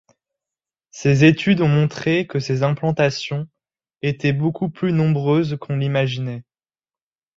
Ces études ont montré que ces implantations étaient beaucoup plus nombreuses qu'on l'imaginait.